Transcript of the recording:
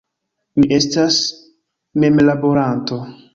Mi estas memlaboranto.